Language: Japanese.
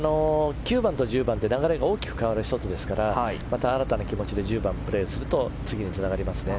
９番と１０番って流れが大きく変わる１つですからまた新たな気持ちで１０番をプレーすると次につながりますね。